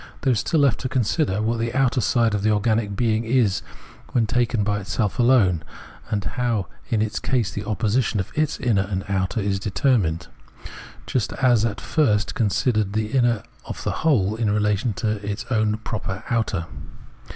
There is still left to consider what the outer side of the organic being is when taken by itself alone, and how in its case the opposition of its inner and outer is de termined ; just as at first we considered the inner of the whole in relation to its own proper outer.